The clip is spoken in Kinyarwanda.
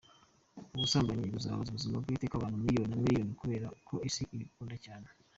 Ubusambanyi buzabuza ubuzima bw’iteka abantu millions and millions kubera ko isi ibukunda cyane.